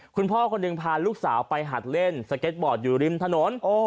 คุณพ่อคนหนึ่งพาลูกสาวไปหัดเล่นอยู่ริมถนนโอ้